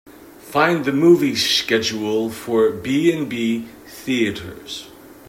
Find the movie schedule for B&B Theatres.